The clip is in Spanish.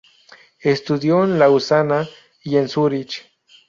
Estudió en Lausana y en Zúrich.